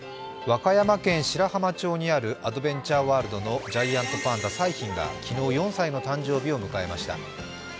和歌山県白浜町にあるアドベンチャーワールドのジャイアントパンダ・彩浜が昨日、４歳の誕生日を迎えました。